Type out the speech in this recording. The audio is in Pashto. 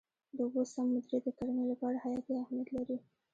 د اوبو سم مدیریت د کرنې لپاره حیاتي اهمیت لري.